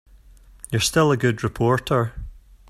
You're still a good reporter.